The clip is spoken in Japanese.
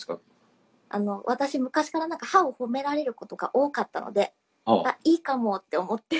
私昔から歯を褒められることが多かったのであっいいかもって思って。